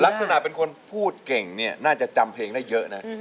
ลักษณะเป็นคนพูดเก่งเนี่ยน่าจะจำเพลงได้เยอะนะ